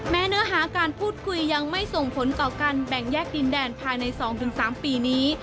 เนื้อหาการพูดคุยยังไม่ส่งผลต่อการแบ่งแยกดินแดนภายใน๒๓ปีนี้